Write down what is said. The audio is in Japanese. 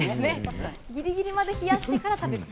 ギリギリまで冷やして食べると。